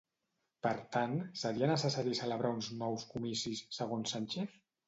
Per tant, seria necessari celebrar uns nous comicis, segons Sánchez?